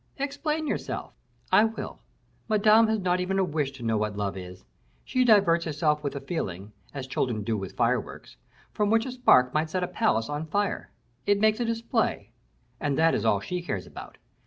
"Explain yourself." "I will. Madame has not even a wish to know what love is. She diverts herself with the feeling, as children do with fireworks, form which a spark might set a palace on fire. It makes a display, and that is all she cares about.